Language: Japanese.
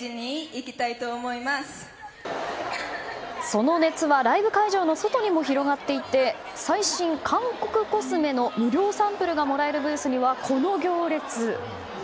その熱はライブ会場の外にも広がっていて最新韓国コスメの無料サンプルがもらえるブースにはこの行列。